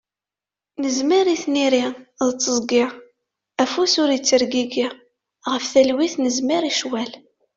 Nezmer i tniri d tiẓgi, afus ur ittergigi, ɣef talwit nezmer i ccwal.